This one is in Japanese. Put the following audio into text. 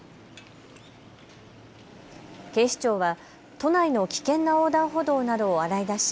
警視庁は都内の危険な横断歩道などを洗い出し